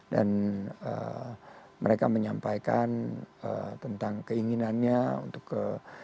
dan mereka menyampaikan tentang keinginannya untuk ke